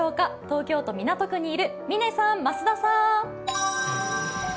東京都港区にいる嶺さん、増田さん